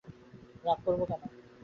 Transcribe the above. রাগ করব কেন?